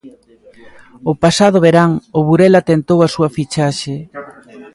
O pasado verán, o Burela tentou a súa fichaxe.